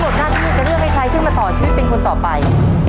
หน้าที่จะเลือกให้ใครขึ้นมาต่อชีวิตเป็นคนต่อไป